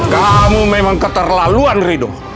kamu memang keterlaluan rido